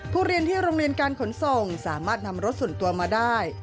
เรียนที่โรงเรียนการขนส่งสามารถนำรถส่วนตัวมาได้